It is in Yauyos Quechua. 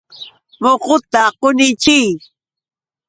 Muhuta qunichiy.